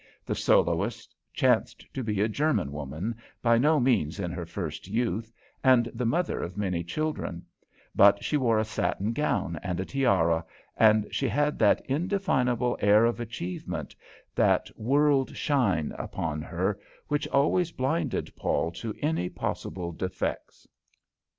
The soloist chanced to be a German woman, by no means in her first youth, and the mother of many children; but she wore a satin gown and a tiara, and she had that indefinable air of achievement, that world shine upon her, which always blinded Paul to any possible defects.